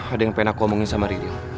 ada yang pengen aku omongin sama ri ri